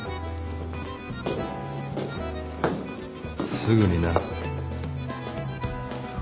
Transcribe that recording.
すぐにな。